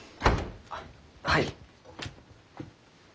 あっはい。